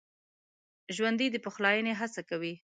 ژوندي د پخلاينې هڅه کوي